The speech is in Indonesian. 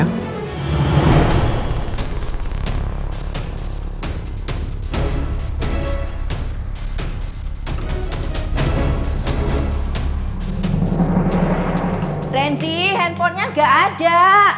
randy handphonenya ga ada